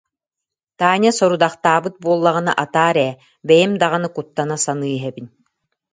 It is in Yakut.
Таня сорудахтаабыт буоллаҕына атаар ээ, бэйэм даҕаны куттана саныы иһэбин